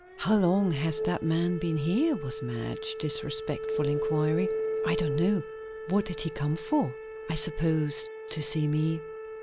"How long has that man been here?" was Madge's disrespectful inquiry. "I don't know." "What did he come for?" "I suppose to see me."